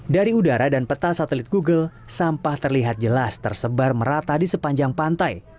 dari udara dan peta satelit google sampah terlihat jelas tersebar merata di sepanjang pantai